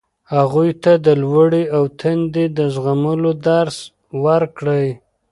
هغوی ته د لوږې او تندې د زغملو درس ورکړئ.